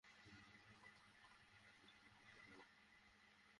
আধুনিক পদ্ধতিতে জেটিতে স্থাপিত ক্রেনের সাহায্যে জাহাজ থেকে কনটেইনার ওঠানো-নামানোর কাজ চলে।